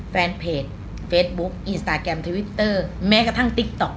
แฟนเพจเฟซบุ๊คอินสตาแกรมทวิตเตอร์แม้กระทั่งติ๊กต๊อก